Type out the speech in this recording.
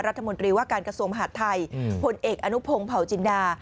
รัฐมนตรีว่าการกระทรวงมหาดไทยผลเอกอนุพงศ์เผาจินดา